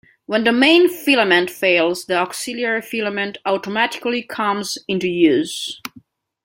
When the main filament fails, the auxiliary filament automatically comes into use.